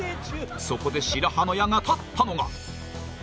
そこで白羽の矢が立ったのが。